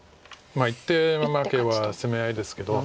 １手負けは攻め合いですけど。